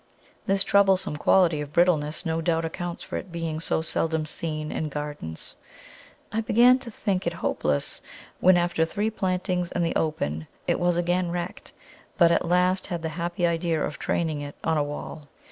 This troublesome quality of brittleness no doubt accounts for its being so seldom seen in gardens. I began to think it hopeless when, after three plantings in the open, it was again wrecked, but at last had the happy idea of training it on a wall.